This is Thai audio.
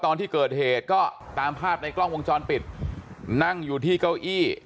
ตอนที่เกิดเหตุก็ตามภาพในกล้องวงจรปิดนั่งอยู่ที่เก้าอี้